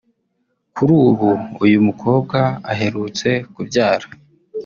Kuri ubu uyu mukobwa aherutse kubyara